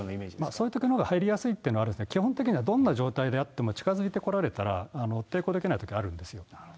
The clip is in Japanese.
そういうときのほうが入りやすいということがあるので、基本的にはどんな状態であっても近づいてこられたら、抵抗できないときあるんですよ。